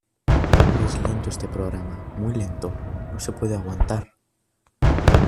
¡Es lento este programa, muy lento, no se puede aguantar!